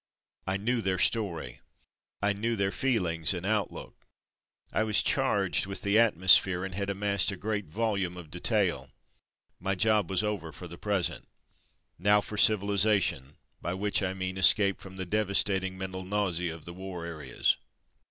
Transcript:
I knew their story. I knew their feelings and outlook. I was charged with the ''atmosphere/' and had amassed a great volume of detail. My job was over for the present. Now for civilization — by which I mean escape from the devastating mental nausea of the war areas.